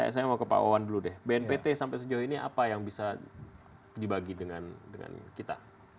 saya mau ke pak wawan dulu deh bnpt sampai sejauh ini apa yang bisa dibagi dengan kita